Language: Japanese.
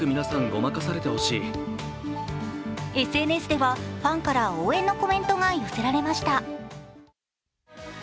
ＳＮＳではファンから応援のコメントが寄せられました。